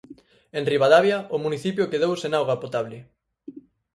En Ribadavia, o municipio quedou sen auga potable.